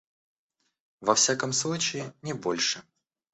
Во всяком случае, не больше.